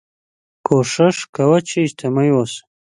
کوښښ کوه چې اجتماعي واوسې